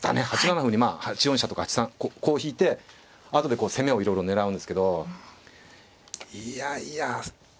８七歩にまあ８四飛車とか８三こう引いて後でこう攻めをいろいろ狙うんですけどいやいや。